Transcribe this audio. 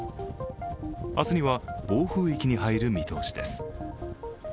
明日には暴風域に入る見通しです。